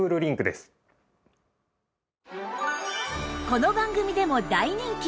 この番組でも大人気